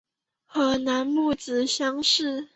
河南戊子乡试。